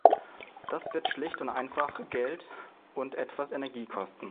Das wird schlicht und einfach Geld und etwas Energie kosten.